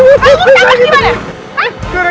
kamu jangan jawab